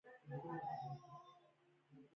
هغوی وخندل چې په شپه کې سنایپر څه نه شي کولی